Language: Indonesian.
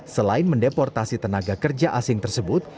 selain mendeportasi tenaga kerja asing tersebut